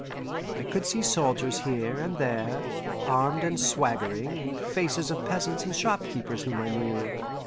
I could see soldiers here and there, armed and swaggering, and faces of peasants and shopkeepers whom I knew.